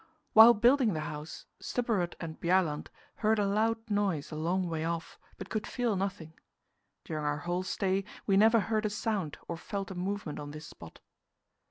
While building the house, Stubberud and Bjaaland heard a loud noise a long way off, but could feel nothing. During our whole stay we never heard a sound or felt a movement on this spot.